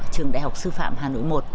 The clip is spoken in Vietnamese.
trường đại học sư phạm hà nội một